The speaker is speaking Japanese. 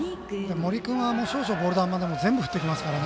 森君は少々ボール球でも全部、振ってきますからね。